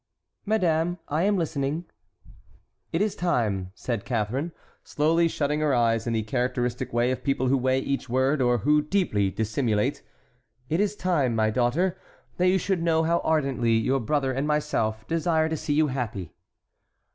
"Madame, I am listening." "It is time," said Catharine, slowly shutting her eyes in the characteristic way of people who weigh each word or who deeply dissimulate, "it is time, my daughter, that you should know how ardently your brother and myself desire to see you happy."